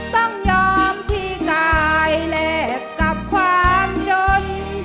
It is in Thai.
ต้องยอมพี่กายแลกกับความจน